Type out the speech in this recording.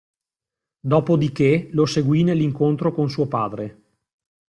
Dopodiché, lo seguì nell'incontro con suo padre.